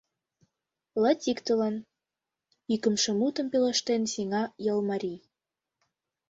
— Латиктылан, — икымше мутым пелештен сеҥа ялмарий.